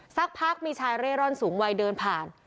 สักพักมีชายเร่ร่อนสูงวัยเดินผ่าน